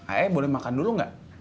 ayah boleh makan dulu gak